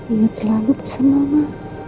ingat selalu bersama mama